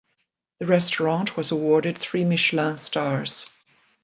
The restaurant was awarded three Michelin stars.